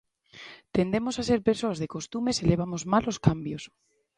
Tendemos a ser persoas de costumes e levamos mal os cambios.